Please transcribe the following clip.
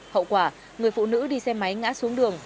hậu quả người phụ nữ đi xe máy ngã xuống đường